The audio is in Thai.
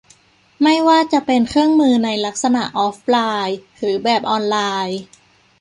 ไม่ว่าจะเป็นเครื่องมือในลักษณะออฟไลน์ หรือแบบออนไลน์